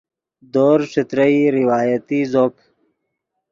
دورز ݯترئی روایتی زوپ